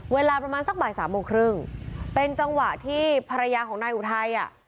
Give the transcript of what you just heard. เวลาประมาณสักบ่ายสามโมงครึ่งเป็นจังหวะที่ภรรยาของนายอุทัยอ่ะ